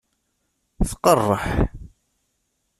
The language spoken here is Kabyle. Tqeṛṛeḥ!